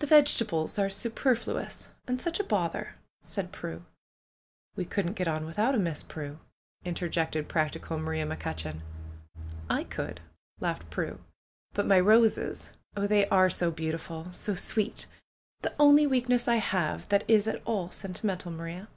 The vegetables are superfluous, and such a bother!" said Prue. "We couldn't get on without 'em, Miss Prue !" inter jected practical Maria McCutcheon. "I could," laughed Prue. "But my roses ! Oh, they are so beautiful ! So sweet ! The only weakness I have that is at all sentimental, Maria